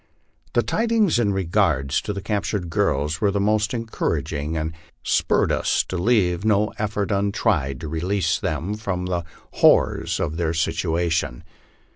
The tidings in regard to the captured girls were most encouraging, and spur red us to leave no effort untried to release them from the horrors of their sit uation.